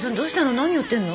何やってんの？